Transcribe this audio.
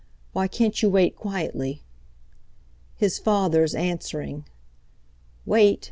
Why can't you wait quietly?" His father's answering "Wait?